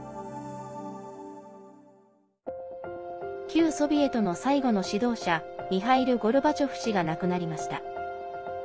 旧ソビエトの最後の指導者ミハイル・ゴルバチョフ氏が亡くなりました。